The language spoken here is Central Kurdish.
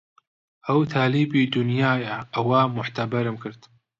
ئەو تالیبی دونیایە ئەوا موعتەبەرم کرد